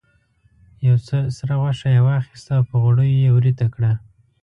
یو څه سره غوښه یې واخیسته او په غوړیو یې ویریته کړه.